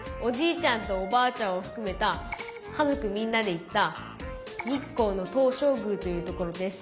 ちゃんとおばあちゃんをふくめた家族みんなで行った日光の東照宮という所です。